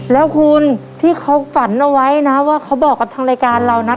แล้วคุณที่เขาฝันเอาไว้นะว่าเขาบอกกับทางรายการเรานะ